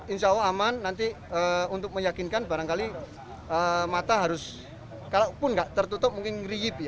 insya allah aman nanti untuk meyakinkan barangkali mata harus kalaupun nggak tertutup mungkin riup ya